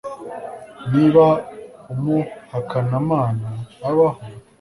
Niba umuhakanamana abaho